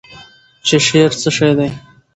چې شعر څه شی دی؟